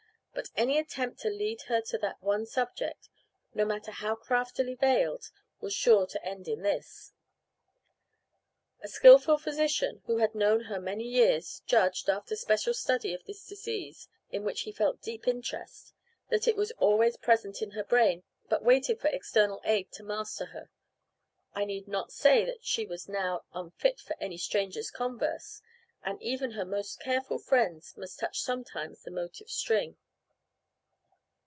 But any attempt to lead her to that one subject, no matter how craftily veiled, was sure to end in this. The skilful physician, who had known her many years, judged, after special study of this disease, in which he felt deep interest, that it was always present in her brain, but waited for external aid to master her. I need not say that she was now unfit for any stranger's converse, and even her most careful friends must touch sometimes the motive string.